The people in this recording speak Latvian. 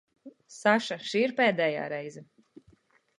Saša, šī ir pēdējā reize.